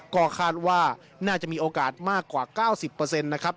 ก็คาดว่าน่าจะมีโอกาสมากกว่า๙๐นะครับ